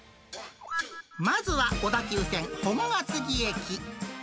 まずは小田急線本厚木駅。